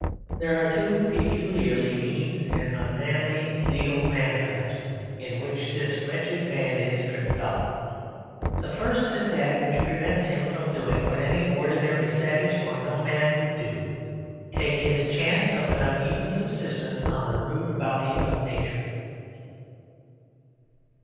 There are two peculiarly mean and unmanly legal mantraps in which this wretched man is tripped up. The first is that which prevents him from doing what any ordinary savage or nomad would do take his chance of an uneven subsistence on the rude bounty of nature.